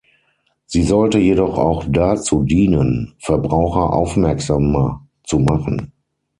Sie sollte jedoch auch dazu dienen, Verbraucher aufmerksamer zu machen.